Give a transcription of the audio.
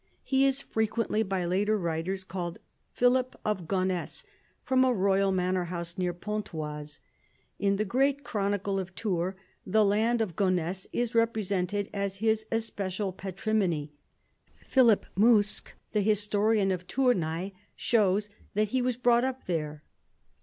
He is frequently by later writers called Philip of Gonesse, from a royal manor near Pontoise. In the great chronicle of Tours, the land of Gonesse is represented as his especial patrimony. Philip Mouskes, the historian of Tournai, shows that he was brought up there.